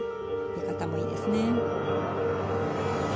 出方もいいですね。